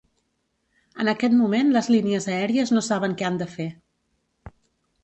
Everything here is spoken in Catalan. En aquest moment les línies aèries no saben què han de fer.